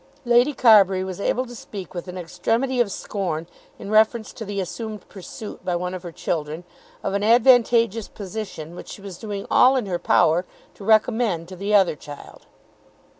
Lady Carbury was able to speak with an extremity of scorn in reference to the assumed pursuit by one of her children of an advantageous position which she was doing all in her power to recommend to the other child.